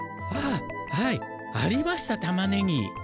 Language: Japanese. ああはいありましたたまねぎ！